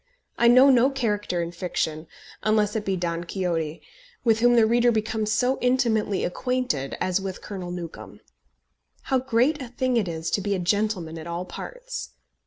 I know no character in fiction, unless it be Don Quixote, with whom the reader becomes so intimately acquainted as with Colonel Newcombe. How great a thing it is to be a gentleman at all parts!